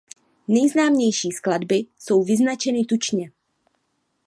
Nejznámější skladby jsou vyznačeny tučně.